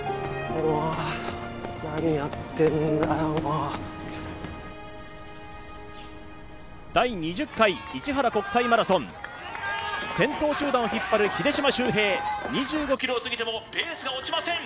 もう第２０回市原国際マラソン先頭集団を引っ張る秀島修平２５キロをすぎてもペースが落ちません！